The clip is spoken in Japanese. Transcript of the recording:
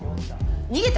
逃げた？